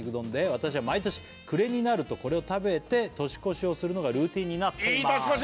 「私は毎年暮れになるとこれを食べて」「年越しをするのがルーティンになっています」